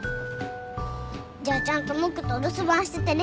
じゃちゃんとムックとお留守番しててね。